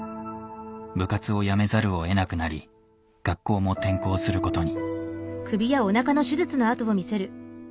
部活をやめざるをえなくなり学校も転校することに。